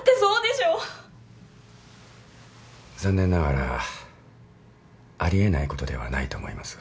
残念ながらあり得ないことではないと思います。